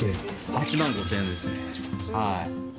８万５０００円ですねはい。